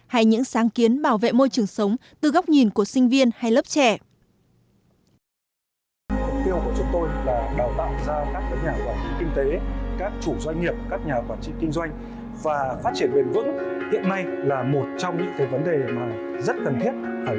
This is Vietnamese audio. hay những sáng kiến bảo vệ môi trường sống từ góc nhìn của sinh viên hay lớp trẻ